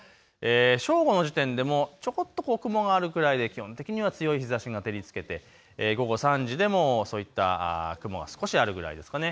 正午の時点でもちょっと雲があるくらいで基本的には強い日ざしが照りつけて午後３時でもそういった雲、少しあるぐらいですかね。